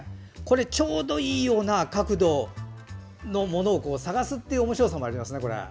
ちょうどいいような角度のものを探すというおもしろさもありますね。